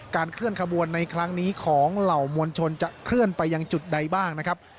เคลื่อนขบวนในครั้งนี้ของเหล่ามวลชนจะเคลื่อนไปยังจุดใดบ้างนะครับ